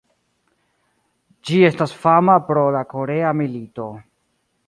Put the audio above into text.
Ĝi estas fama pro la korea milito.